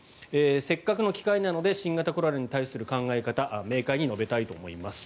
せっかくの機会なので新型コロナに対する考え方を明快に述べたいと思います。